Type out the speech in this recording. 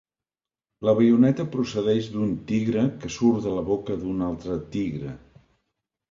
La baioneta procedeix d'un tigre que surt de la boca d'un altre tigre.